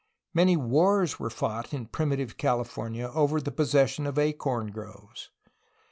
Many wars were fought in primitive California over the possession of acorn groves.